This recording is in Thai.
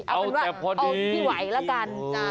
เอาเห็นน